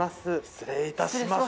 失礼いたします。